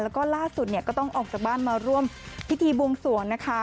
แล้วก็ล่าสุดเนี่ยก็ต้องออกจากบ้านมาร่วมพิธีบวงสวงนะคะ